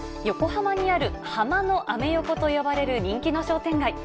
横浜にあるハマのアメ横と呼ばれる人気の商店街。